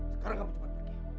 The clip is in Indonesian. sekarang kamu cepat pergi